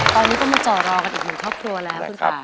ตอนนี้ก็มาเจ้ารองกับเด็กหนุ่มครอบครัวแล้วคุณค่ะ